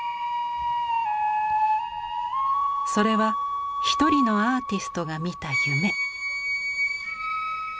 それは一人のアーティストが見た夢。